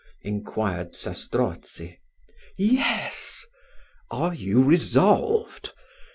inquired Zastrozzi. "Yes!" "Are you resolved?